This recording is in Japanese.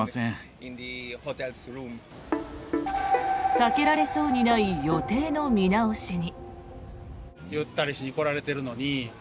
避けられそうにない予定の見直しに。